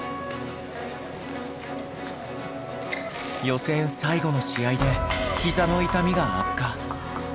予選最後の試合で膝の痛みが悪化。